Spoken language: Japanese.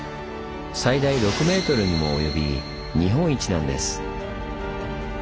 最大６ｍにも及び日本一なんです。